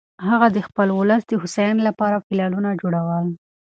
هغه د خپل ولس د هوساینې لپاره پلانونه جوړول.